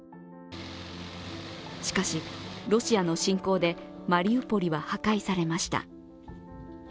しかし、ロシアの侵攻でマリウポリは破壊されました。